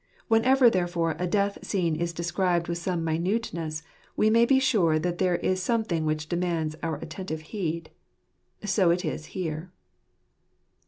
Whenever, therefore, a death scene is described with some minuteness, we may be sure that there is some thing which demands our attentive heed. So it is here.